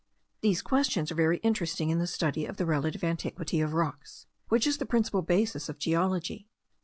These questions are very interesting in the study of the relative antiquity of rocks, which is the principal basis of geology.